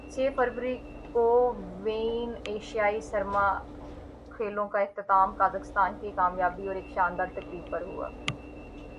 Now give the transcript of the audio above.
چھ فروری کو ویں ایشیائی سرما کھیلوں کا اختتام قازقستان کی کامیابیوں اور ایک شاندار تقریب پر ہوا